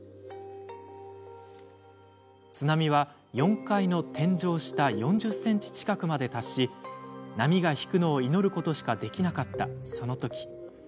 津波は、４階の天井下４０ｃｍ近くまで達し波が引くのを祈ることしかできなかった、そのとき。